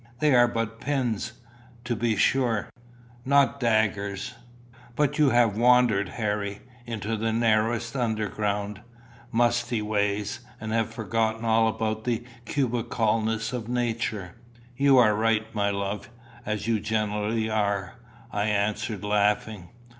They are but pins, to be sure not daggers." "But you have wandered, Harry, into the narrowest underground, musty ways, and have forgotten all about 'the cubicalness of nature.'" "You are right, my love, as you generally are," I answered, laughing.